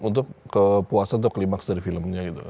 untuk kepuasan atau kelimaks dari filmnya gitu